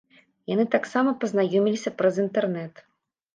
Яны таксама пазнаёміліся праз інтэрнэт.